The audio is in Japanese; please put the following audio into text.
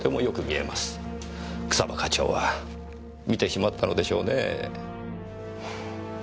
草葉課長は見てしまったのでしょうねぇ。